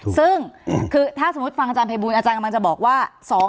ซึ่งคือถ้าสมมุติฟังอาจารย์ภัยบูลอาจารย์กำลังจะบอกว่า